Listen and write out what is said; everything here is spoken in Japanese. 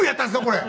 これ。